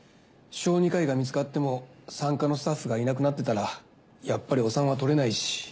小児科医が見つかっても産科のスタッフがいなくなってたらやっぱりお産は取れないし。